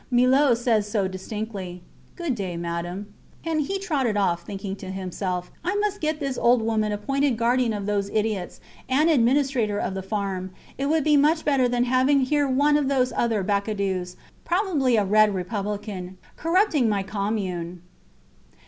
Millot says so distinctly. Good day, Madame. And he trotted off, thinking to himself: I must get this old woman appointed guardian of those idiots, and administrator of the farm. It would be much better than having here one of those other Bacadous, probably a red republican, corrupting my commune.